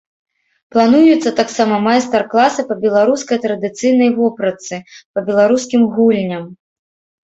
Плануюцца таксама майстар-класы па беларускай традыцыйнай вопратцы, па беларускім гульням.